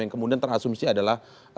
yang kemudian terasumsi adalah